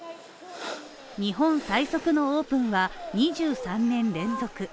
日本最速のオープンは２３年連続。